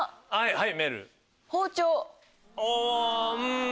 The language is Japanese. はい！